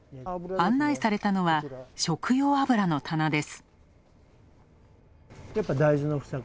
案内されたのは、食用油の棚です。